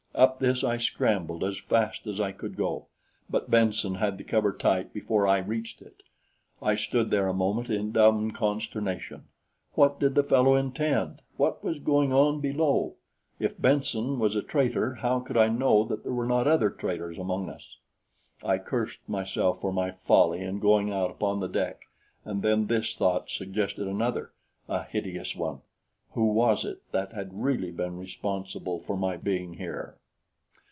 Up this I scrambled, as fast as I could go; but Benson had the cover tight before I reached it. I stood there a moment in dumb consternation. What did the fellow intend? What was going on below? If Benson was a traitor, how could I know that there were not other traitors among us? I cursed myself for my folly in going out upon the deck, and then this thought suggested another a hideous one: who was it that had really been responsible for my being here?